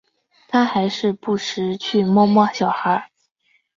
他还是不时去摸摸小孩